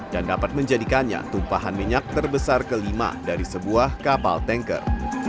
dan dapat menjadikannya tumpahan minyak terbesar kelima dari sebuah kapal tanker